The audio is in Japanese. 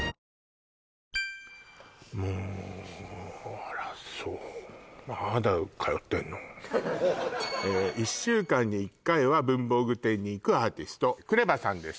あらそう１週間に１回は文房具店に行くアーティストＫＲＥＶＡさんです